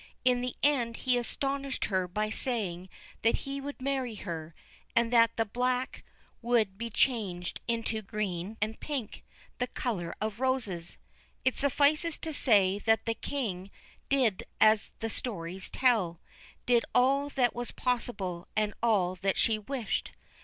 In the end he astonished her by saying that he would marry her, and that the black would be changed into green and pink, the colour of roses. It suffices to say that the King did as the stories tell : did all that was possible and all that she wished.